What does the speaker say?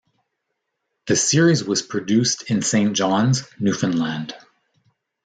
The series was produced in Saint John's, Newfoundland.